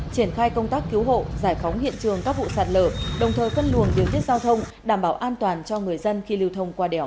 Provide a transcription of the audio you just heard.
triển khai công tác cứu hộ giải phóng hiện trường các vụ sạt lở đồng thời cân luồng điều tiết giao thông đảm bảo an toàn cho người dân khi lưu thông qua đèo